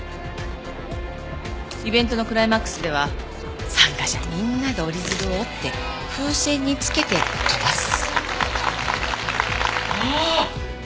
イベントのクライマックスでは参加者みんなで折り鶴を折って風船につけて飛ばす。